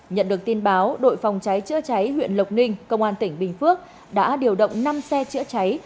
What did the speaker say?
nhận được tin báo đội phòng cháy chữa cháy huyện lộc ninh công an tỉnh bình phước đã điều động năm xe chữa cháy